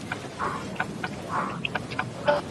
نفاق کمزوري ده.